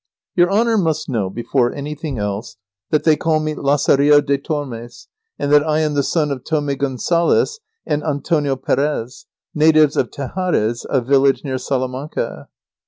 your Honour must know, before anything else, that they call me Lazarillo de Tormes, and that I am the son of Thomé Gonçales and Antonia Perez, natives of Tejares, a village near Salamanca.